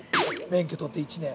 免許取って１年。